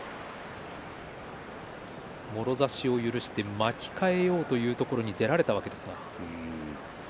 もろ差しを許して巻き替えようというところに出られたわけです。